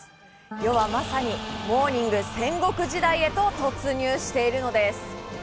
世はまさにモーニング戦国時代へと突入しているのです。